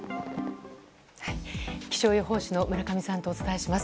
気象予報士の村上さんとお伝えします。